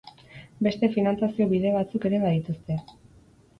Beste finantziazio-bide batzuk ere badituzte.